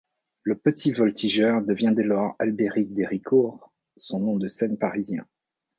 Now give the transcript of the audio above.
Le petit voltigeur devient dès lors Albéric d'Éricourt, son nom de scène parisien.